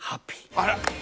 あら！